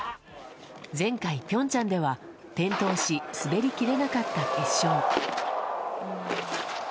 前回ピョンチャンでは転倒し、滑りきれなかった決勝。